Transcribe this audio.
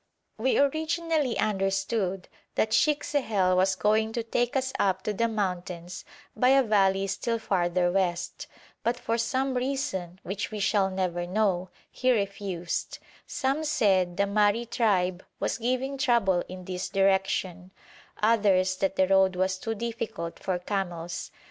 We originally understood that Sheikh Sehel was going to take us up to the mountains by a valley still farther west, but for some reason, which we shall never know, he refused; some said the Mahri tribe was giving trouble in this direction, others that the road was too difficult for camels.